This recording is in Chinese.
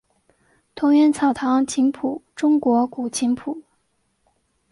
桐园草堂琴谱中国古琴谱。